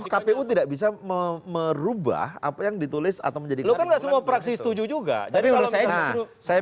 kpu tidak bisa merubah apa yang ditulis atau menjadi keluar semua praksi setuju juga jadi kalau saya